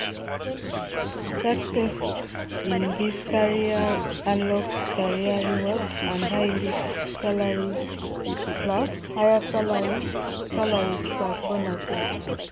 Success in these careers unlocks career rewards and higher salaries plus bonuses.